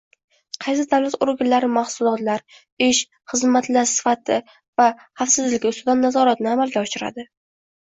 Qaysi davlat organlari mahsulotlar, ish, xizmatla sifati va xavfsizligi ustidan nazoratni amalga oshiradi?